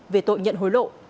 về tội nhận hối lộ